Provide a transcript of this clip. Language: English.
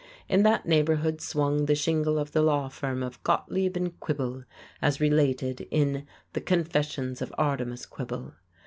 In that neighborhood swung the shingle of the law firm of Gottlieb & Quibble, as related in "The Confessions of Artemas Quibble."